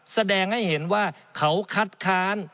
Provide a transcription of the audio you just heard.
แสดงให้เห็นว่าเขาคัดค้าน